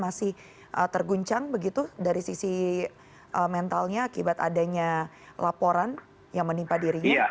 masih terguncang begitu dari sisi mentalnya akibat adanya laporan yang menimpa dirinya